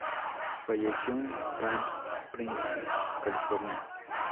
Falleció en Palm Springs, California.